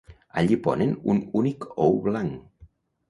Allí ponen un únic ou blanc.